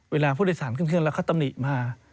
เวลาพุทธศาสนธุ์เคียงแล้วฆัตตำริมา